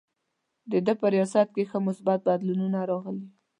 د ده په ریاست کې ښه مثبت بدلونونه راغلي.